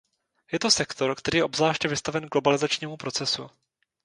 Je to sektor, který je obzvláště vystaven globalizačnímu procesu.